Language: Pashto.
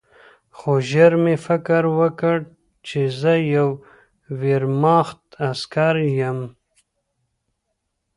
خو ژر مې فکر وکړ چې زه د ویرماخت عسکر یم